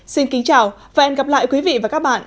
xin kính chào và hẹn gặp lại quý vị và các bạn